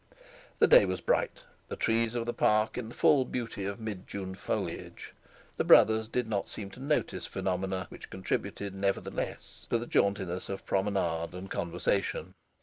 The day was bright, the trees of the Park in the full beauty of mid June foliage; the brothers did not seem to notice phenomena, which contributed, nevertheless, to the jauntiness of promenade and conversation.